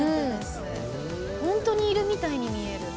本当にいるみたいに見える。